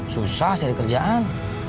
susah cari kerjaan